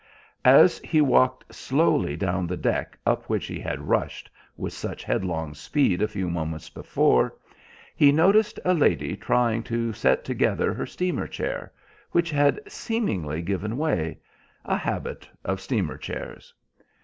As he walked slowly down the deck up which he had rushed with such headlong speed a few moments before, he noticed a lady trying to set together her steamer chair, which had seemingly given way—a habit of steamer chairs.